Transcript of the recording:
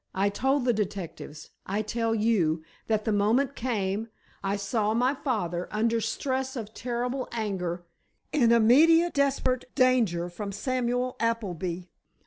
I told the detectives—I tell you, that the moment came—I saw my father, under stress of terrible anger—in immediate, desperate danger from Samuel Appleby.